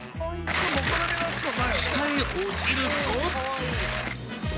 ［下へ落ちると］